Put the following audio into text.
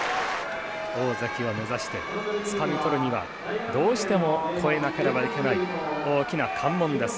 大関を目指してつかみ取るにはどうしても超えなければいけない大きな関門です。